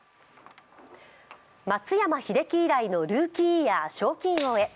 松山英樹以来の、ルーキーイヤー賞金王へ。